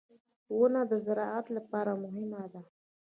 • ونه د زراعت لپاره مهمه ده.